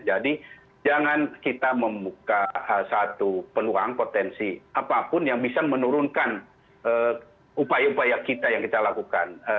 jadi jangan kita membuka satu penuangan potensi apapun yang bisa menurunkan upaya upaya kita yang kita lakukan